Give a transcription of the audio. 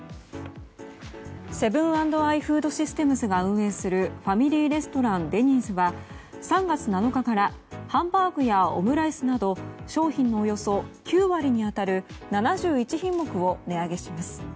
セブン＆アイ・フードシステムズが運営するファミリーレストランデニーズは３月７日からハンバーグやオムライスなど商品の、およそ９割に当たる７１品目を値上げします。